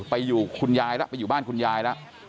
ไปอยู่คุณยายแล้วไปอยู่บ้านคุณยายแล้ว